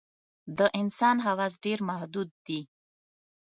د انسان حواس ډېر محدود دي.